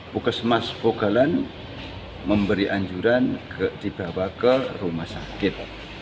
bukas mas pogalan memberi anjuran dibawa ke rumah sakit